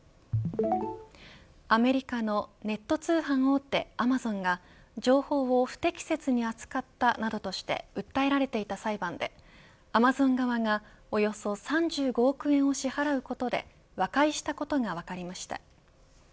アメリカのネット通販大手アマゾンが情報を不適切に扱ったなどとして訴えられていた裁判でアマゾン側がおよそ３５億円を支払うことで和解したことが分かりました。